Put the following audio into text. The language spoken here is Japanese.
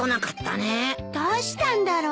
どうしたんだろう。